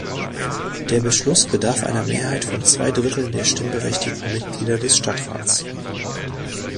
Der Beschluss bedarf einer Mehrheit von zwei Dritteln der stimmberechtigten Mitglieder des Stadtrats.